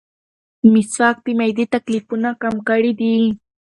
مسواک د معدې تکلیفونه کم کړي دي.